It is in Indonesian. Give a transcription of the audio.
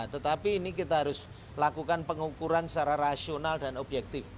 jadi ini kita harus lakukan pengukuran secara rasional dan objektif